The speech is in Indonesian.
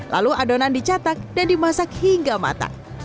lalu adonan dicetak dan dimasak hingga matang